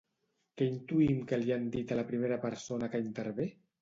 Què intuïm que li han dit a la primera persona que intervé?